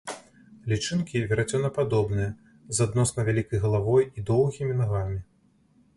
Лічынкі верацёнападобныя, з адносна вялікай галавой і доўгімі нагамі.